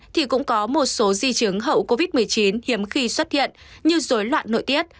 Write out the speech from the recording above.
thì cũng có một số di chứng hậu covid một mươi chín hiếm khi xuất hiện như dối loạn nội tiết